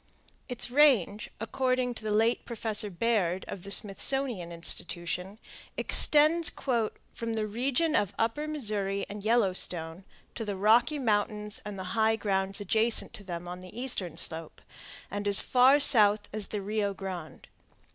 Its range, according to the late Professor Baird of the Smithsonian Institution, extends "from the region of the upper Missouri and Yellowstone to the Rocky Mountains and the high grounds adjacent to them on the eastern slope, and as far south as the Rio Grande.